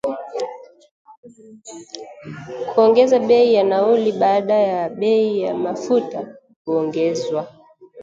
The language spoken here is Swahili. kuongeza bei ya nauli baada ya bei ya mafuta kuongezwa